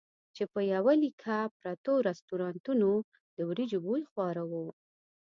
چې په یوه لیکه پرتو رستورانتونو د وریجو بوی خواره وو.